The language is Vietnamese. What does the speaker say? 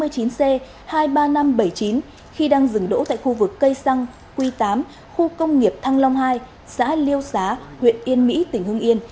ba mươi chín c hai mươi ba nghìn năm trăm bảy mươi chín khi đang dừng đỗ tại khu vực cây xăng quy tám khu công nghiệp thăng long hai xã liêu xá huyện yên mỹ tỉnh hương yên